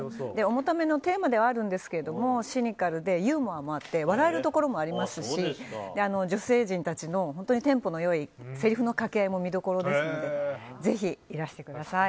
重ためのテーマではあるんですけどシニカルでユーモアもあって笑えるところもありますし女性陣たちのテンポのいいせりふの掛け合いも見どころなのでぜひいらしてください。